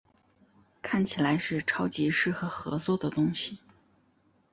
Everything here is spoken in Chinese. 看起来是超级适合合作的东西